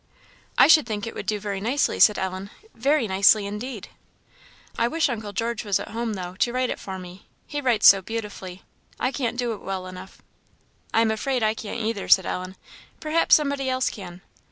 "I should think it would do very nicely," said Ellen "very nicely, indeed." "I wish Uncle George was at home, though, to write it for me he writes so beautifully; I can't do it well enough." "I am afraid I can't either," said Ellen. "Perhaps somebody else can."